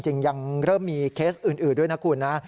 ยังเริ่มมีเคสอื่นด้วยนะคุณนะ